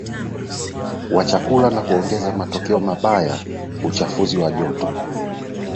wa chakula na kuongeza matokeo mabayaUchafuzi wa joto